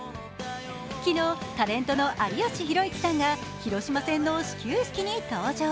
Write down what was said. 昨日、タレントの有吉弘行さんが広島戦の始球式に登場。